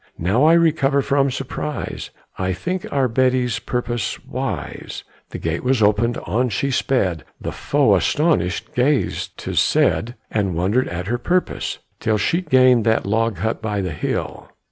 Now I recover from surprise, I think our Betty's purpose wise." The gate was opened, on she sped; The foe, astonished, gazed, 'tis said, And wondered at her purpose, till She gained that log hut by the hill.